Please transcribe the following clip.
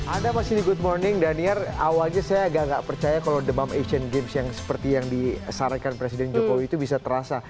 ada masini good morning daniel awalnya saya agak agak percaya kalau demam asian games yang seperti yang disarankan presiden jokowi itu bisa terasa